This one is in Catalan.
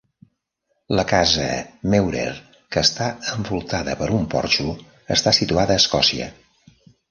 La casa Meurer, que està envoltada per un porxo, està situada a Escòcia.